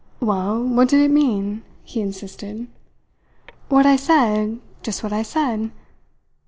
"Well, what did it mean?" he insisted. "What I said just what I said.